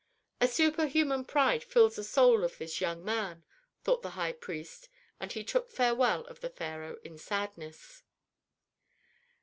"A superhuman pride fills the soul of this young man!" thought the high priest, and he took farewell of the pharaoh in sadness.